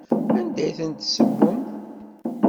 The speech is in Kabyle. Anda i tent-tessewwem?